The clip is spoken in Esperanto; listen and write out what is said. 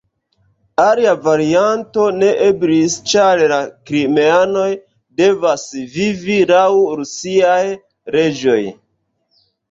Alia varianto ne eblis, ĉar la krimeanoj devas vivi laŭ rusiaj leĝoj.